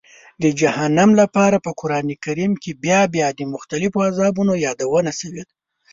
د جهنم لپاره په قرآن کې بیا بیا د مختلفو عذابونو یادونه شوې ده.